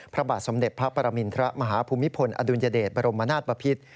พระบาทสมเด็จพระปรมินทรมาฮภูมิพลอดุลยเดชบรมนาศบพิษ